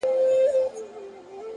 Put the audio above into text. زحمت د موخو د رسېدو وسیله ده